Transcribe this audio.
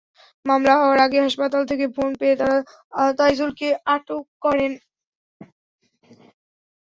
মামলা হওয়ার আগে হাসপাতাল থেকে ফোন পেয়ে তাঁরা তাইজুলকে আটক করেন।